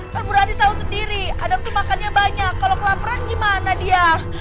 kan bu ranti tahu sendiri adam itu makannya banyak kalau kelaperan gimana dia